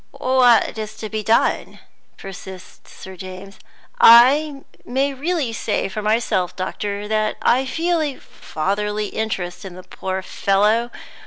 "What is to be done?" persists Sir James. "I may really say for myself, doctor, that I feel a fatherly interest in the poor fellow.